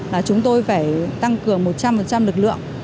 là chúng tôi phải tăng cường một trăm linh lực lượng